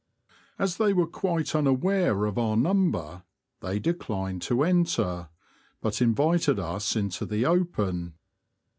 As they were quite unaware of our number they declined to enter, but invited us into the open.